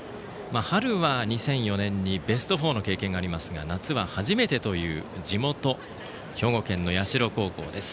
春は２００４年にベスト４の経験がありますが夏は初めてという地元・兵庫県の社高校です。